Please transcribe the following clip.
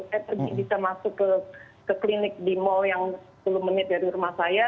saya pergi bisa masuk ke klinik di mall yang sepuluh menit dari rumah saya